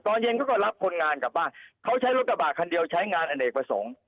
ตอนเย็นเขาก็รับคนงานกลับบ้านเขาใช้รถกระบะคันเดียวใช้งานอเนกประสงค์